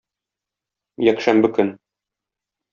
Якшәмбе көн.